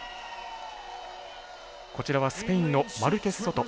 こちらはスペインのマルケスソト。